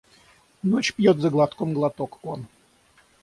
Ночь пьет за глотком глоток он.